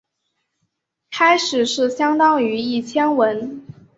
开始是相当于一千文。